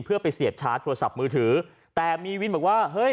เพื่อไปเสียบชาร์จโทรศัพท์มือถือแต่มีวินบอกว่าเฮ้ย